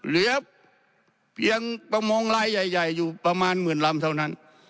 เหลือเพียงประมงลายใหญ่อยู่ประมาณหมื่นลำเท่านั้น